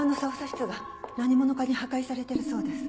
室が何者かに破壊されてるそうです。